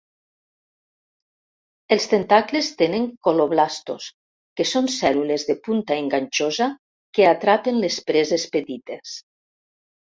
Els tentacles tenen col·loblastos, que són cèl·lules de punta enganxosa que atrapen les preses petites.